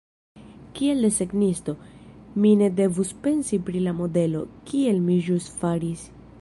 Kiel desegnisto, mi ne devus pensi pri la modelo, kiel mi ĵus faris.